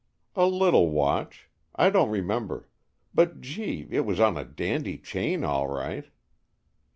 "A little watch. I don't remember. But, gee, It was on a dandy chain all right!"